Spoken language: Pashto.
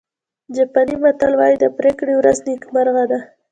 جاپاني متل وایي د پرېکړې ورځ نیکمرغه ده.